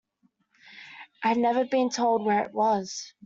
I had never been told where it was.